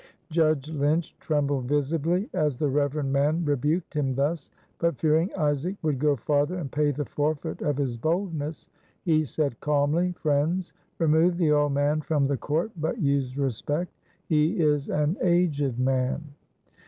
Judge Lynch trembled visibly as the reverend man rebuked him thus, but, fearing Isaac would go farther and pay the forfeit of his boldness, he said calmly: "Friends, remove the old man from the court, but use respect. He is an aged man."